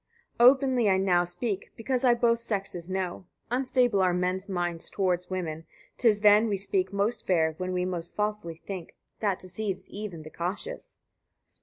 91. Openly I now speak, because I both sexes know: unstable are men's minds towards women; 'tis then we speak most fair when we most falsely think: that deceives even the cautious.